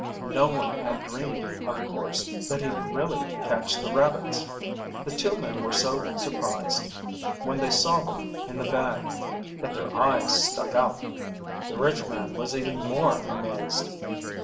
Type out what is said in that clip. No one had dreamed, of course, that he'd really catch the rabbits. The two men were so surprised when they saw them in the bag that their eyes stuck out. The rich man was even more amazed.